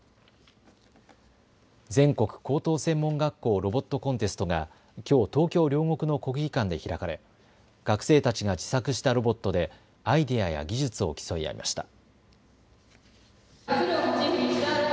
全国高等専門学校ロボットコンテストがきょう東京両国の国技館で開かれ学生たちが自作したロボットでアイデアや技術を競い合いました。